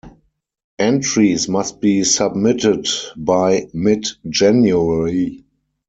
Entries must be submitted by mid-January.